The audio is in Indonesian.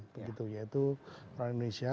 begitu yaitu orang indonesia